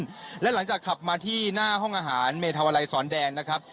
กลับมาที่หน้าห้องอาหารเมธวาลัยสวรรค์แดงนะครับ